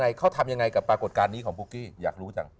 ยังไงเขาทำยังไงกับปรากฏการณ์นี้ของปุ๊กกี้อยากรู้จัง